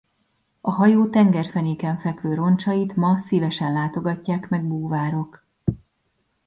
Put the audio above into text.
A hajó tengerfenéken fekvő roncsait ma szívesen látogatják meg búvárok.